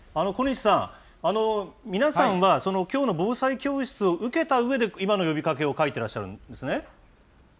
小西さん、皆さんはきょうの防災教室を受けたうえで、今の呼びかけを書いてらっしゃるんですね？